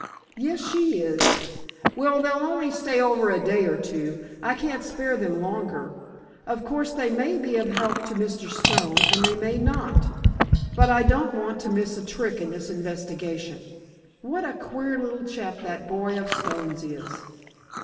"Yes, she is. Well, they'll only stay over a day or two, I can't spare them longer. Of course, they may be of help to Mr. Stone, and they may not. But I don't want to miss a trick in this investigation. What a queer little chap that boy of Stone's is!"